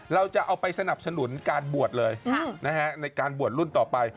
เราจะเอาไปสนับสนุนการบวชเลยในการบวชรุ่นต่อไป